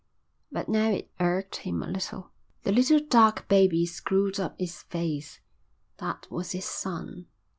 But now it irked him a little. The little dark baby screwed up its face. That was his son.